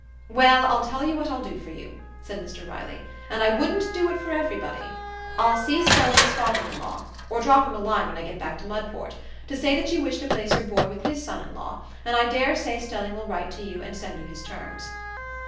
"Well, I'll tell you what I'll do for you," said Mr Riley, "and I wouldn't do it for everybody. I'll see Stelling's father in law, or drop him a line when I get back to Mudport, to say that you wish to place your boy with his son in law, and I dare say Stelling will write to you, and send you his terms."